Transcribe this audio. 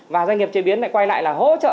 và doanh nghiệp chế biến lại quay lại là hỗ trợ